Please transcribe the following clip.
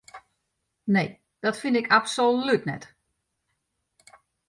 Nee, dat fyn ik absolút net.